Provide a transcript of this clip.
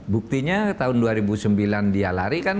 buktinya tahun dua ribu sembilan dia lari kan